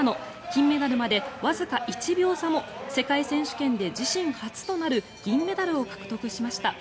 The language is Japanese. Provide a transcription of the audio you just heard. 金メダルまでわずか１秒差も世界選手権で自身初となる銀メダルを獲得しました。